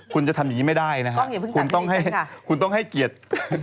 คุณต้องให้เกียรติ